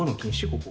ここ。